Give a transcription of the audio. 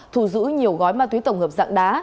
thù giữ nhiều gói ma túy tổng hợp dạng đá